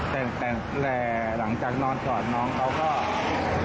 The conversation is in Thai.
แต่หลังจากนอนตรอดน้องเขาก็น้องเขามันจะโทรหาแฟน